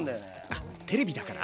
あっテレビだから？